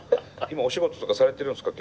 今お仕事とかされてるんですか？